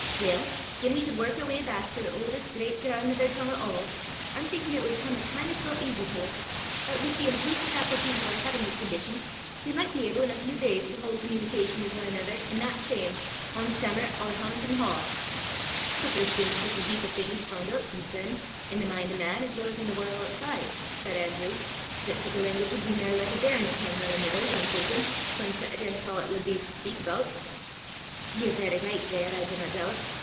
Weel, gien we could wark oor w'y back to the auldest grit gran'mither tongue o' a', I'm thinkin' it wad come a' kin' o' sae easy til 's, 'at, wi' the impruvt faculties o' oor h'avenly condition, we micht be able in a feow days to haud communication wi' ane anither i' that same, ohn stammert or hummt an' hawt." "But there's been sic a heap o' things f'un' oot sin' syne, i' the min' o' man, as weel 's i' the warl' ootside," said Andrew, "that sic a language wad be mair like a bairn's tongue nor a mither's, I'm thinkin', whan set again' a' 'at wad be to speyk aboot!" "Ye're verra richt there, I dinna doobt.